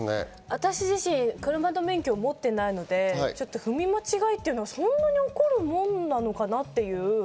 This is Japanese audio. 私自身、車の免許を持っていないので、踏み間違いっていうのがそんなに起こるもんなのかなっていう。